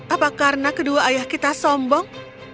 apa karena kedua ayah kita sombong